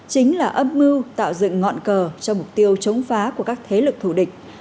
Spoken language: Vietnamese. chính là âm mưu tạo dựng ngọn cờ cho mục tiêu chống phá của các thế lực thù địch